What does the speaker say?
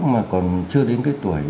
mà còn chưa đến tuổi